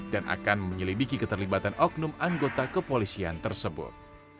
dan akan menyelidiki keterlibatan oknum anggota kepolisian tersebut